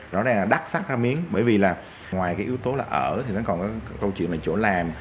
rõ ràng là đặc sắc ra miếng bởi vì là ngoài cái yếu tố là ở thì nó còn có câu chuyện là chỗ làm